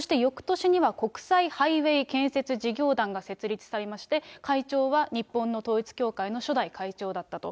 そしてよくとしには国際ハイウェイ建設事業団が設立されてまして、会長は日本の統一教会の初代会長だったと。